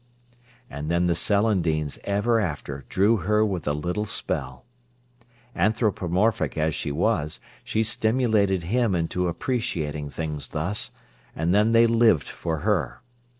And then the celandines ever after drew her with a little spell. Anthropomorphic as she was, she stimulated him into appreciating things thus, and then they lived for her.